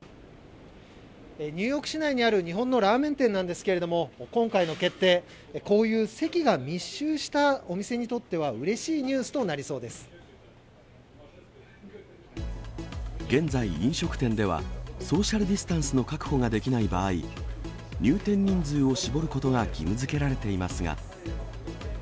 ニューヨーク市内にある日本のラーメン店なんですけれども、今回の決定、こういう席が密集したお店にとってはうれしいニュースとなりそう現在、飲食店ではソーシャルディスタンスの確保ができない場合、入店人数を絞ることが義務づけられていますが。